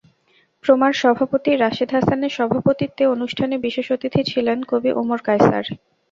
প্রমার সভাপতি রাশেদ হাসানের সভাপতিত্বে অনুষ্ঠানে বিশেষ অতিথি ছিলেন কবি ওমর কায়সার।